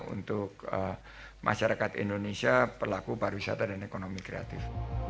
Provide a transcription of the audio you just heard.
untuk masyarakat indonesia pelaku pariwisata dan ekonomi kreatif